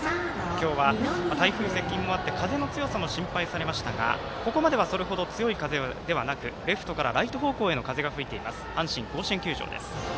今日は台風接近もあって風の強さも心配されましたがここまではそれほど強い風はなくレフトからライト方向へ風が吹いています阪神甲子園球場。